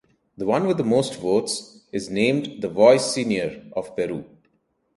The one with the most votes is named "the Voice Senior" of Peru.